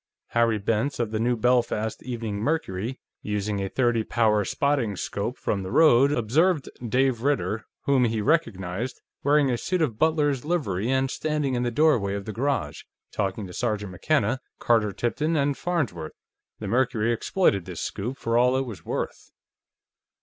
Harry Bentz, of the New Belfast Evening Mercury, using a 30 power spotting 'scope from the road, observed Dave Ritter, whom he recognized, wearing a suit of butler's livery and standing in the doorway of the garage, talking to Sergeant McKenna, Carter Tipton and Farnsworth; the Mercury exploited this scoop for all it was worth.